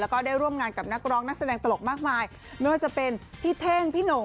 แล้วก็ได้ร่วมงานกับนักร้องนักแสดงตลกมากมายไม่ว่าจะเป็นพี่เท่งพี่หน่ง